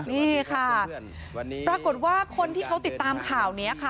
นี่ค่ะปรากฏว่าคนที่เขาติดตามข่าวนี้ค่ะ